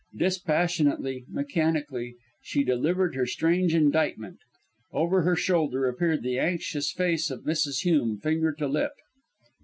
Dispassionately, mechanically, she delivered her strange indictment. Over her shoulder appeared the anxious face of Mrs. Hume, finger to lip.